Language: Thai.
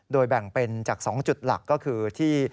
โดยแบ่งเป็นจาก๒จุดหลักก็คือที่